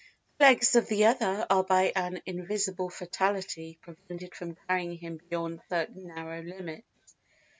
The legs of the other are by an invisible fatality prevented from carrying him beyond certain narrow limits.